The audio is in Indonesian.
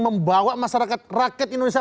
membawa masyarakat rakyat indonesia